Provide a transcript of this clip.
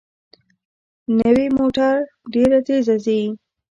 نوې موټر ډېره تېزه ځي